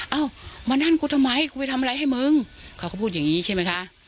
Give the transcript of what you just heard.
เอามานั่นกูทำไมกูไปทำอะไรให้มึงเขาก็พูดอย่างนี้ใช่ไหมคะ